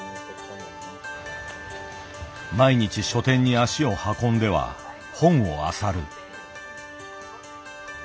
毎日書店に足を運んでは本をあさる。